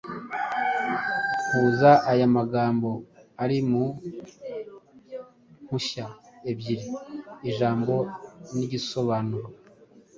Huza aya magambo ari mu mpushya ebyiri (ijambo n’igisobanuro)